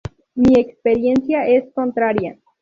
Mi experiencia es contraria.